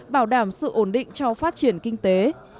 bảo đảm sự ổn định cho phát triển kinh tế